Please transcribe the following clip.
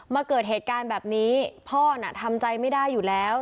เกิดเหตุการณ์แบบนี้พ่อน่ะทำใจไม่ได้อยู่แล้ว